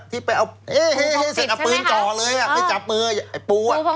ที่ไปเอาเอฮ่เฮ้เฮเสือปืนจ๋อเลยห้ะไม่จับมืออ่ะไอ้ปูอ่ะ